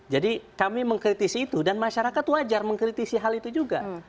jadi kami mengkritisi itu dan masyarakat wajar mengkritisi hal itu juga